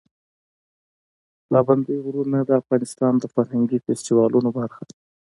پابندی غرونه د افغانستان د فرهنګي فستیوالونو برخه ده.